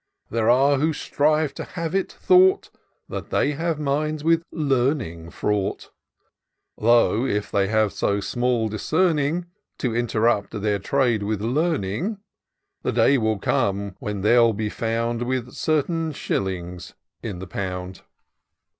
There are who strive to have it thought. That they have minds with learning fraught : Though, if they have so small discerning. To interrupt their trade with learning ; 326 TOUR OF DOCTOR SYNTAX The day will come when they'll be found With certain shillings in the pound.